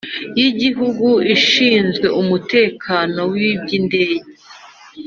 y Igihugu ishinzwe Umutekano w iby Indege